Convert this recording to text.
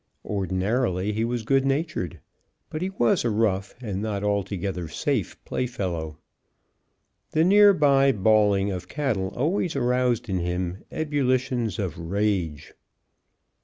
Ordinarily he was good natured, but he was a rough and not altogether safe playfellow. The near by bawling of cattle always aroused in him ebullitions of rage.